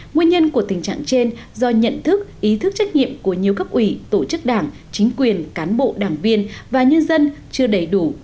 nguyên nhân của tình trạng trên do nhận thức ý thức trách nhiệm của nhiều cấp ủy tổ chức đảng chính quyền cán bộ đảng viên và nhân dân chưa đầy đủ